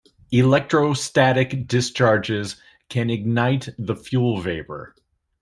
Electrostatic discharges can ignite the fuel vapor.